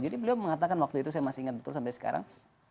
jadi beliau mengatakan waktu itu saya masih ingat betul sampai sekarang